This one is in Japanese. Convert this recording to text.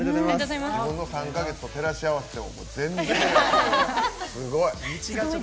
自分の３か月と照らし合わせてもすごい。